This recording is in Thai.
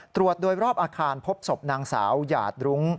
ตรวจโดยรอบอาคารพบศพนางสาวหยาดรุ้ง